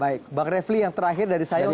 baik bang refli yang terakhir dari saya untuk anda